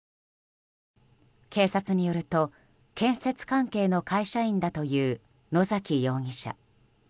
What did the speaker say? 警察によると、建設関係の会社員だという野崎容疑者。